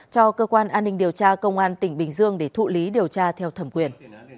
cho cơ quan an ninh điều tra công an tỉnh bình dương để thụ lý điều tra theo thẩm quyền